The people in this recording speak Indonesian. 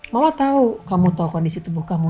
mama tau kamu tau kondisi tubuh kamu